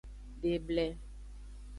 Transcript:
De eble.